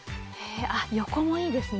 横もいいですね。